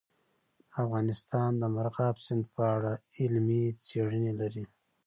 افغانستان د مورغاب سیند په اړه علمي څېړنې لري.